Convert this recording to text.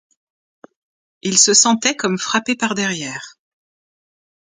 Il se sentait comme frappé par derrière.